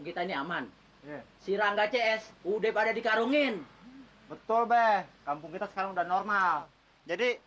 kita ini aman sirangga cs udah pada dikarungin betul bek kampung kita sekarang udah normal jadi